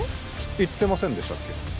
言ってませんでしたっけ？